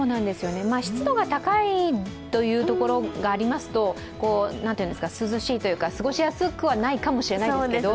湿度が高いというところがありますと涼しいというか、過ごしやすくはないかもしれないですけど。